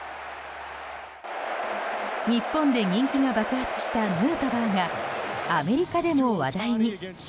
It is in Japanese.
日本で人気が爆発したヌートバーがアメリカでも話題に。